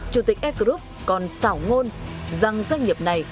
chủ tịch air group còn xảo ngôn rằng doanh nghiệp này